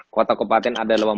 kota kepaten ada delapan belas